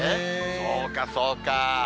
そうか、そうか。